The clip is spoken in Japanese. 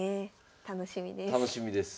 楽しみです。